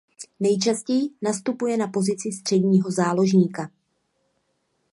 Nejčastěji nastupuje na pozici středního záložníka.